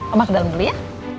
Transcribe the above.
oma ke dalam dulu ya